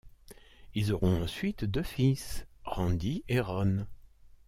Ils auront ensuite deux fils, Randy et Ron.